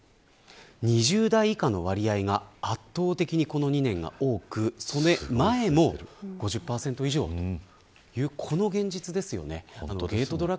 ２０代以下の割合が圧倒的にこの２年が多くその前も５０％以上というこの現実です。